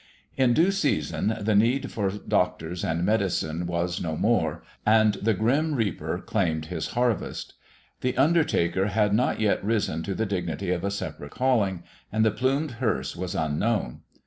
In due season the need for doctors and medicine was no more, and the grim reaper claimed his harvest. The undertaker had not yet risen to the dignity of a separate calling, and the plumed hearse was unknown.